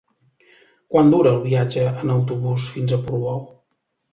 Quant dura el viatge en autobús fins a Portbou?